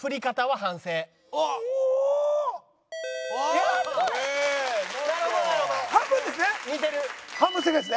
半分正解ですね。